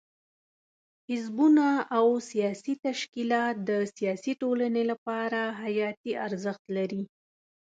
حزبونه او سیاسي تشکیلات د سیاسي ټولنې لپاره حیاتي ارزښت لري.